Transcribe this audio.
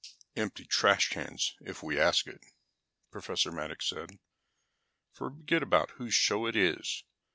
"Empty trash cans if we ask it," Professor Maddox said. "Forget about whose show it is.